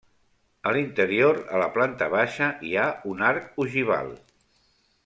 A l'interior, a la planta baixa, hi ha un arc ogival.